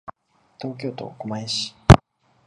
東京都狛江市